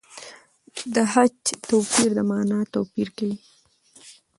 د خج توپیر د مانا توپیر کوي.